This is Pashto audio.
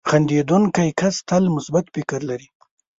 • خندېدونکی کس تل مثبت فکر لري.